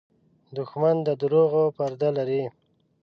دښمن د دروغو پرده لري